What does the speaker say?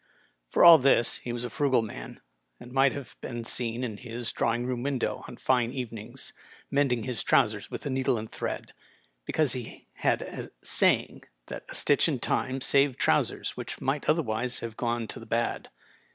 For all this he was a frugal man, and might have been seen in his draw ing room window on fine evenings mending his trousers with a needle and thread, because he had a saying that a stitch in time saved trousers which might otherwise have gone to the bad.